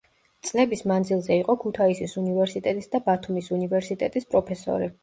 წლების მანძილზე იყო ქუთაისის უნივერსიტეტის და ბათუმის უნივერსიტეტის პროფესორი.